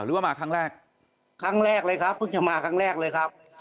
หรือว่ามาครั้งแรกครั้งแรกเลยครับเพิ่งจะมาครั้งแรกเลยครับ